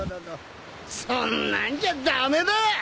そんなんじゃ駄目だ！